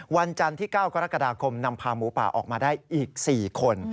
วันจันทร์ที่๙กรกฎาคมนำพาหมูป่าออกมาได้อีก๔คน